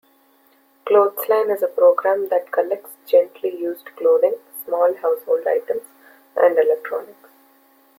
Clothesline is a program that collects gently used clothing, small household items and electronics.